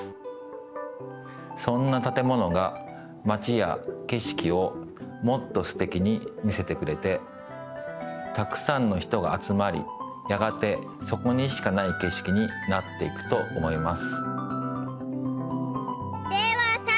そんなたてものが町やけしきをもっとすてきに見せてくれてたくさんの人があつまりやがてそこにしかないけしきになっていくと思います。